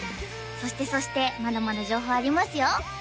そしてそしてまだまだ情報ありますよ